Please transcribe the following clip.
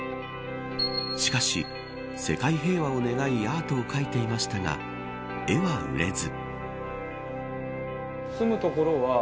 しかし、世界平和を願いアートを描いていましたが絵は売れず。